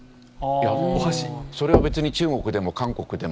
それは別に中国でも韓国でも。